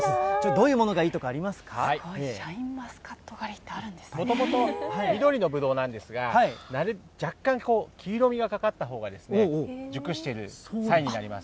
どういうものがいいとか、シャインマスカット狩りって、もともと緑のぶどうなんですが、若干こう、黄色味がかかったほうがですね、熟しているサインになります。